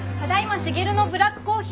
しげるのブラックコーヒー。